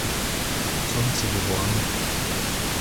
Prontik e vo amañ.